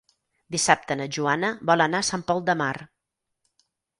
Dissabte na Joana vol anar a Sant Pol de Mar.